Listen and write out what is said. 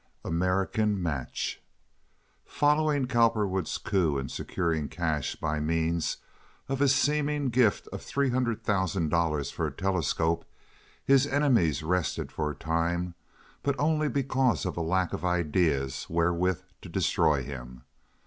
American Match Following Cowperwood's coup in securing cash by means of his seeming gift of three hundred thousand dollars for a telescope his enemies rested for a time, but only because of a lack of ideas wherewith to destroy him.